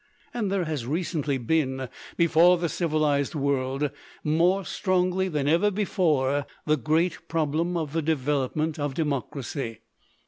And there has recently been before the civilized world, more strongly than ever before, the great problem of the development of democracy.